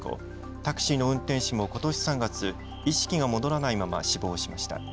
タクシーの運転手も、ことし３月意識が戻らないまま死亡しました。